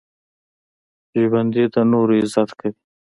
ژوندي د نورو عزت کوي